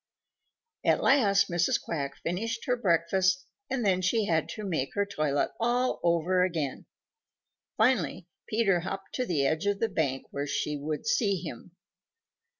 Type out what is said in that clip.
At last Mrs. Quack finished her breakfast, and then she had to make her toilet all over again. Finally Peter hopped to the edge of the bank where she would see him.